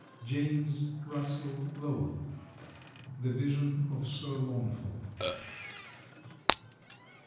—James Russell Lowell, "The Vision of Sir Launfal."